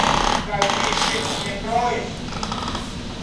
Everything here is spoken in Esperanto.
Kaj vi ŝin ne trovis?